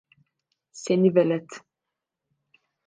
Seni velet!